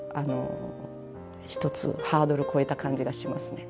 一つハードルを越えた感じがしますね。